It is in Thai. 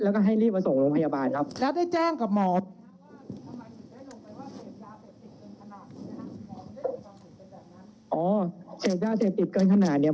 แล้วให้ลีบมาส่งมันลงพยาบาลครับ